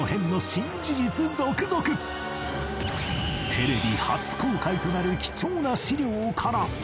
テレビ初公開となる貴重な史料から